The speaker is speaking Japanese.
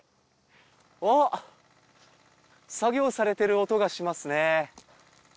あっ作業されてる音がしますね。